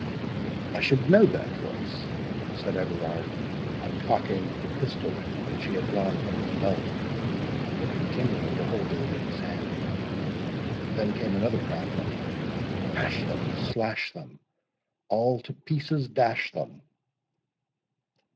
"I should know that voice," said Everard, uncocking the pistol which he had drawn from his belt, but continuing to hold it in his hand. Then came another fragment: Hash them—slash them— All to pieces dash them.